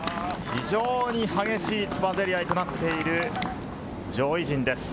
非常に激しいつばぜり合いとなっている上位陣です。